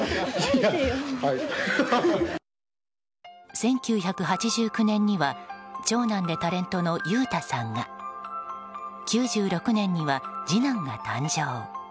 １９８９年には長男でタレントの裕太さんが９６年には次男が誕生。